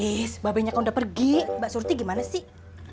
is mbak be nyakau udah pergi mbak surti gimana sih